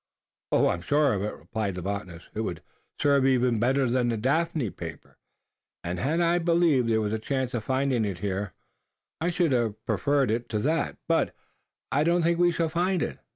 "I am sure of it," replied the botanist. "It would serve even better than the daphne paper; and had I believed there was a chance of finding it here, I should have preferred it to that. But I do not think we shall find it.